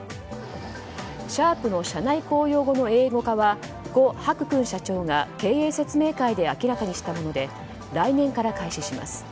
シャープの社内公用語の英語化は呉柏勲社長が経営説明会で明らかにしたもので来年から開始します。